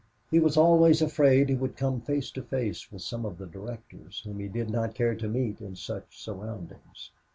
He was always afraid he would come face to face with some of the directors, whom he did not care to meet in such surroundings.